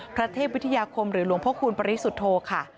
พระเทพวิทยาคมหรือหลวงพระคูณปริสุทธโธค่ะ